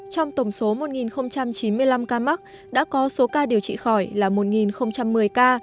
trong tổng số một chín mươi năm ca mắc đã có số ca điều trị khỏi là một một mươi ca